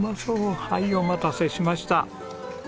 はいお待たせしました。